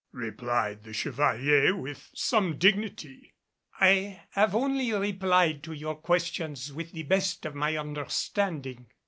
replied the Chevalier with some dignity, "I have only replied to your questions with the best of my understanding."